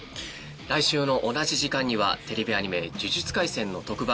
来週の同じ時間にはテレビアニメ「呪術廻戦」の特番